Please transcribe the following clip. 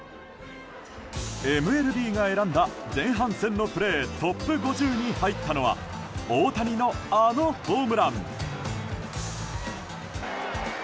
ＭＬＢが選んだ前半戦のプレートップ５０に入ったのは大谷の、あのホームラン。